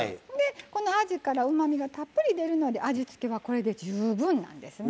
このあじからうまみがたっぷり出るので味付けはこれで十分なんですね。